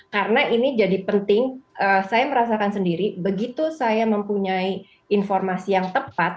karena ini jadi penting saya merasakan sendiri begitu saya mempunyai informasi yang tepat